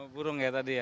burung ya tadi ya